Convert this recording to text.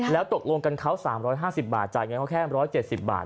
แล้วตกลงกันเขา๓๕๐บาทจ่ายเงินเขาแค่๑๗๐บาท